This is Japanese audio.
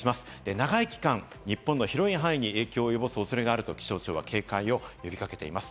長い期間、日本の広い範囲に影響を及ぼす恐れがあると気象庁は警戒を呼び掛けています。